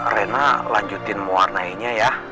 rena lanjutin muarnainya ya